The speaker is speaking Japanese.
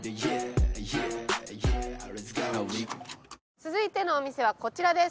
続いてのお店はこちらです。